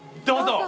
どうぞ！